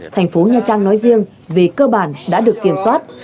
thành phố nha trang nói riêng về cơ bản đã được kiểm soát